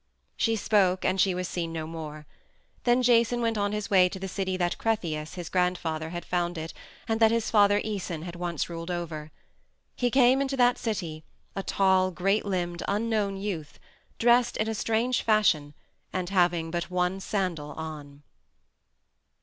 She spoke and she was seen no more. Then Jason went on his way to the city that Cretheus, his grandfather, had founded and that his father Æson had once ruled over. He came into that city, a tall, great limbed, unknown youth, dressed in a strange fashion, and having but one sandal on.